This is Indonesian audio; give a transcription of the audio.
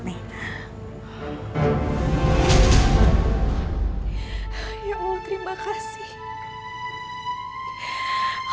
ya allah terima kasih